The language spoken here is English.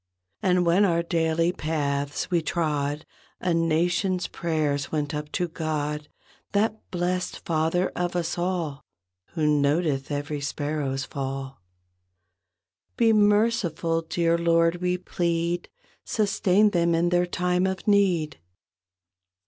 And when our daily paths we trod A Nation's prayers went up to God That blessed Father of us all. Who noteth every sparrow's fall. "Be merciful, dear Lord," we plead, "Sustain them in their time of need."